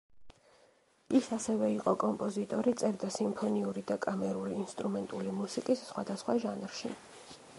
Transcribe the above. ის ასევე იყო კომპოზიტორი, წერდა სიმფონიური და კამერული ინსტრუმენტული მუსიკის სხვადასხვა ჟანრში.